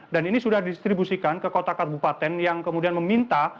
dan ini sudah didistribusikan ke kota kabupaten yang kemudian meminta